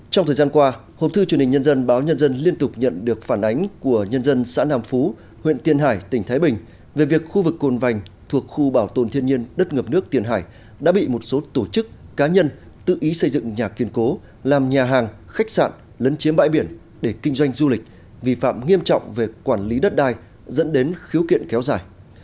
trong thời gian qua hộp thư truyền hình nhân dân báo nhân dân liên tục nhận được phản ánh của nhân dân xã nam phú huyện tiền hải tỉnh thái bình về việc khu vực cồn vành thuộc khu bảo tồn thiên nhiên đất ngập nước tiền hải đã bị một số tổ chức cá nhân tự ý xây dựng nhà kiên cố làm nhà hàng khách sạn lấn chiếm bãi biển để kinh doanh du lịch vi phạm nghiêm trọng về quản lý đất đai dẫn đến khiếu kiện kéo dài